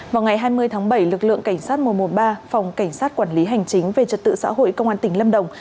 vào ngày hai mươi tháng bảy lực lượng cảnh sát một trăm một mươi ba phòng cảnh sát quản lý hành chính về trật tự xã hội công an tỉnh lâm đồng